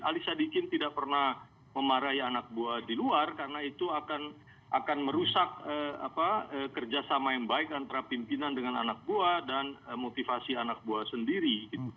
ali sadikin tidak pernah memarahi anak buah di luar karena itu akan merusak kerjasama yang baik antara pimpinan dengan anak buah dan motivasi anak buah sendiri